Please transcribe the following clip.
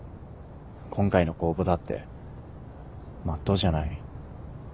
今回の公募だってまっとうじゃない。